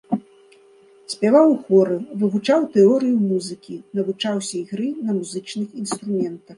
Спяваў у хоры, вывучаў тэорыю музыкі, навучаўся ігры на музычных інструментах.